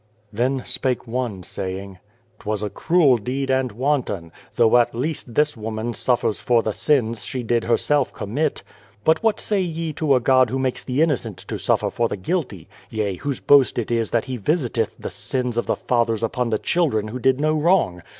Then spake one, saying :" 'Twas a cruel 42 God and the Ant deed and wanton, though at least this woman suffers for the sins she did herself commit. " But what say ye to a God who makes the innocent to suffer for the guilty; yea, whose boast it is that He visiteth the sins of the fathers upon the children who did no wrong